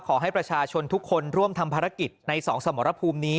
ขอให้ประชาชนทุกคนร่วมทำภารกิจในสองสมรภูมินี้